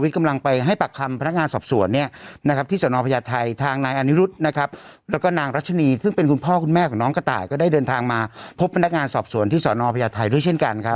ของน้องกระต่ายก็ได้เดินทางมาพบพนักงานสอบสวนที่สนนภยัตถัยด้วยเช่นกันครับ